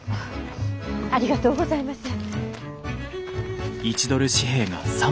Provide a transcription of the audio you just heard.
ありがとうございます。